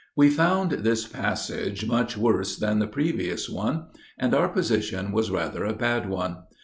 We found this passage much worse than the previous one, and our position was rather a bad one.